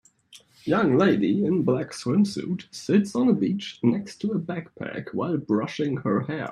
Young lady in black swimsuit sits on a beach next to a backpack while brushing her hair.